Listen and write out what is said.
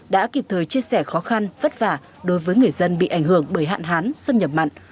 đã kịp thời chia sẻ khó khăn vất vả đối với người dân bị ảnh hưởng bởi hạn hán xâm nhập mặn